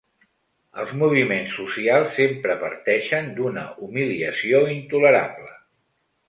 Els moviments socials sempre parteixen d’una humiliació intolerable.